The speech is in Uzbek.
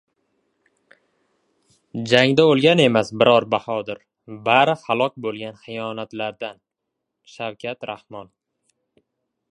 Jangda o‘lgan emas biror bahodir, Bari halok bo‘lgan xiyonatlardan. Shavkat Rahmon